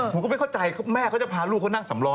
ผมก็ไม่เข้าใจแม่เขาจะพาลูกเขานั่งสำล้อ